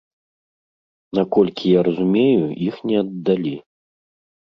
Наколькі я разумею, іх не аддалі.